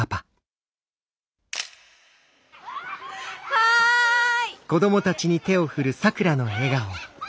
はい！